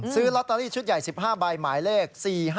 ซื้อลอตเตอรี่ชุดใหญ่๑๕ใบหมายเลข๔๕